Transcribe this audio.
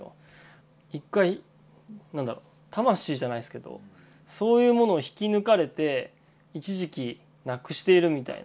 一回何だろ魂じゃないですけどそういうものを引き抜かれて一時期なくしているみたいな。